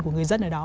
của người dân ở đó